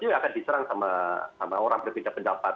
itu akan diserang sama orang yang punya pendapat